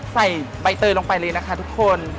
ใส่ใบเตยลงไปเลยนะคะทุกคน